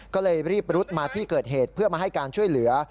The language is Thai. ก็เลยรีบรุดมาที่เกิดเหตุเพื่อมาให้การช่วยเหลือ